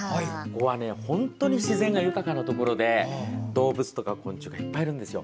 ここは本当に自然が豊かなところで動物とか昆虫がいっぱいいるんですよ。